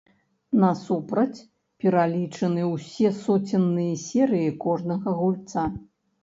Насупраць пералічаны ўсе соценныя серыі кожнага гульца.